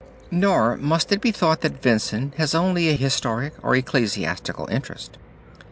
Nor must it be thought that Vincent has only a historic or ecclesiastical interest.